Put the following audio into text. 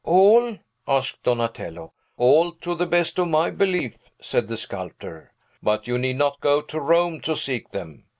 "All?" asked Donatello. "All, to the best of my belief," said the sculptor: "but you need not go to Rome to seek them.